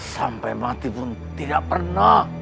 sampai mati pun tidak pernah